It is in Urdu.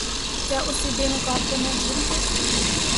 کیا اسے بے نقاب کرنا جرم ہے؟